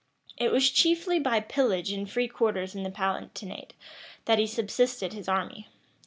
It was chiefly by pillage and free quarters in the Palatinate, that he subsisted his army.